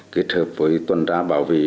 kết hợp với tuần tra bảo vệ